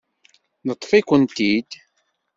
Neṭṭef-ikent-id.